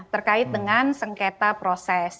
terkait dengan sengketa proses